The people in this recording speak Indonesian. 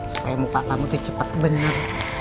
supaya muka kamu tuh cepet bener